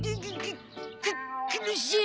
く苦しい。